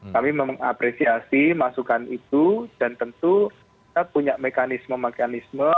kami mengapresiasi masukan itu dan tentu kita punya mekanisme mekanisme